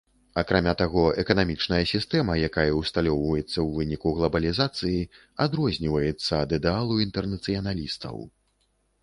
Акрамя таго, эканамічная сістэма, якая ўсталёўваецца ў выніку глабалізацыі, адрозніваецца ад ідэалу інтэрнацыяналістаў.